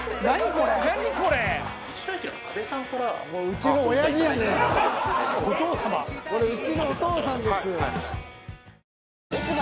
これうちのお父さんです。